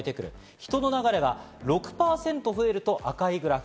人の流れが６％増えると赤いグラフ。